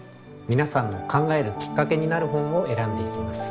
皆さんの考えるきっかけになる本を選んでいきます。